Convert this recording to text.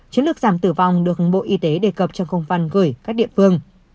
chiến lược giảm tử vong được bộ y tế đề cập trong không phân gửi các địa phương